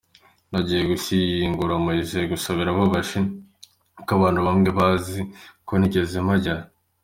Nagiye gushyingura Mowzey gusa birababaje kuko abantu bamwe bazi ko ntigeze mpagera.